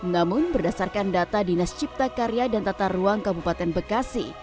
namun berdasarkan data dinas cipta karya dan tata ruang kabupaten bekasi